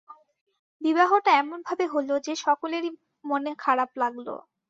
বিবাহটা এমন ভাবে হল যে, সকলেরই মনে খারাপ লাগল।